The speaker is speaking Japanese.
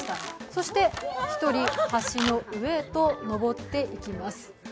そして１人、橋の上へと登っていきます。